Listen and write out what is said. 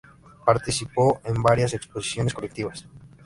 Participó en varias exposiciones colectivas.